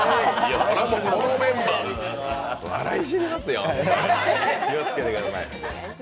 このメンバーです、笑い死にますよ、気をつけてください。